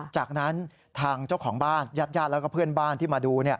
จากนั้นทางเจ้าของบ้านญาติญาติแล้วก็เพื่อนบ้านที่มาดู